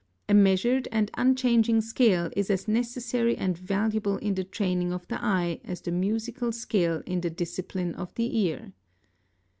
A measured and unchanging scale is as necessary and valuable in the training of the eye as the musical scale in the discipline of the ear.